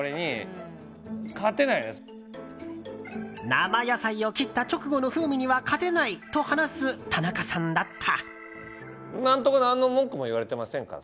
生野菜を切った直後の風味には勝てないと話す田中さんだった。